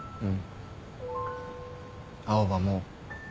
うん？